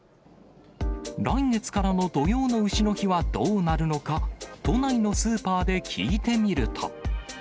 来月からの土用のうしの日はどうなるのか、都内のスーパーで聞いてみると。